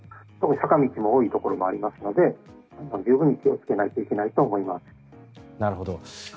坂道も多いところもありますので十分に気をつけないといけないと思います。